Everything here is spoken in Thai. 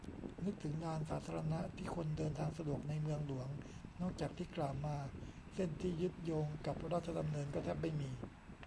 นึกถึง "ลานสาธารณะ" ที่คนเดินทางสะดวกในเมืองหลวงนอกจากที่กล่าวมาเส้นที่ยึดโยงกับราชดำเนิน ก็แทบไม่มี